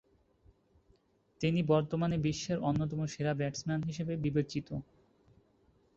তিনি বর্তমানে বিশ্বের অন্যতম সেরা ব্যাটসম্যান হিসাবে বিবেচিত।